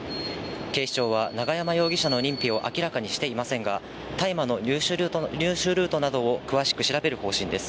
警視庁は永山容疑者の認否を明らかにしていませんが大麻の入手ルートなどを詳しく調べる方針です。